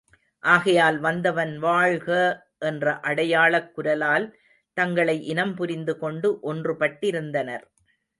ஆகையால் வத்தவன் வாழ்க! என்ற அடையாளக் குரலால் தங்களை இனம் புரிந்துகொண்டு ஒன்று பட்டிருந்தனர்.